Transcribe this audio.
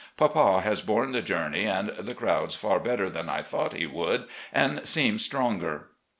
Papa has home the journey and the crowds far better than I thought he would and seems stronger.